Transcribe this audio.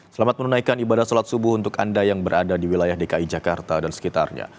selamat menunaikan ibadah sholat subuh untuk anda yang berada di wilayah dki jakarta dan sekitarnya